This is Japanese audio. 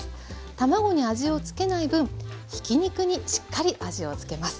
卵に味をつけない分ひき肉にしっかり味をつけます。